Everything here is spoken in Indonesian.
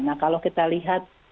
nah kalau kita lihat